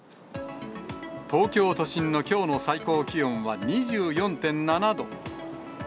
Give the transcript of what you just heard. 東京都心のきょうの最高気温は２４．７度。